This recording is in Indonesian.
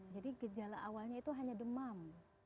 jadi gejala awalnya itu hanya demam